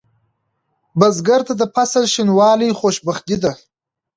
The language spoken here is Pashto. بزګر ته د فصل شینوالی خوشبختي ده